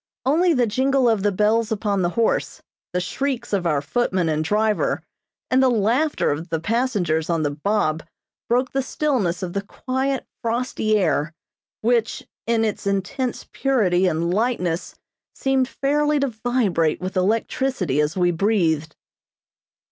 Only the jingle of the bells upon the horse, the shrieks of our footman and driver, and the laughter of the passengers on the "bob" broke the stillness of the quiet, frosty air, which, in its intense purity and lightness seemed fairly to vibrate with electricity as we breathed.